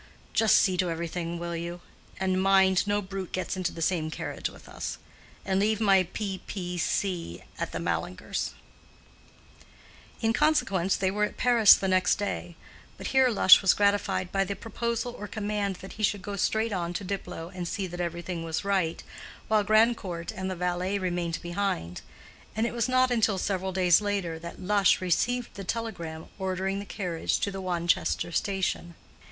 "Just see to everything, will you? and mind no brute gets into the same carriage with us. And leave my P. P. C. at the Mallingers'." In consequence they were at Paris the next day; but here Lush was gratified by the proposal or command that he should go straight on to Diplow and see that everything was right, while Grandcourt and the valet remained behind; and it was not until several days later that Lush received the telegram ordering the carriage to the Wanchester station.